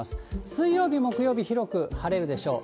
水曜日、木曜日、広く晴れるでしょう。